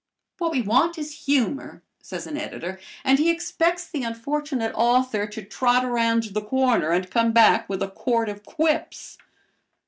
"What we want is humor," says an editor, and he expects the unfortunate author to trot around the corner and come back with a quart of quips.